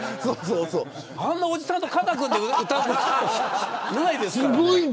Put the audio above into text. あんまりおじさんと肩を組んで歌うことないですからね。